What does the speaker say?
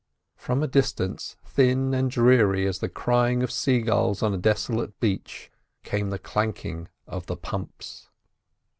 From a distance, thin, and dreary as the crying of sea gulls on a desolate beach, came the clanking of the pumps.